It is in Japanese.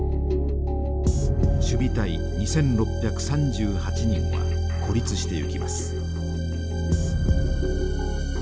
守備隊２，６３８人は孤立していきます。